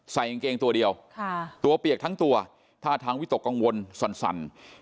กางเกงตัวเดียวตัวเปียกทั้งตัวท่าทางวิตกกังวลสั่น